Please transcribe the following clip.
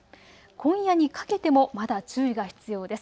今夜にかけてもまだ注意が必要です。